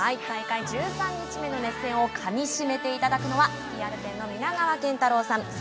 大会１３日目の熱戦をかみしめていただくのはスキーアルペンの皆川賢太郎さん